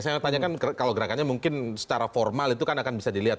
saya mau tanyakan kalau gerakannya mungkin secara formal itu kan akan bisa dilihat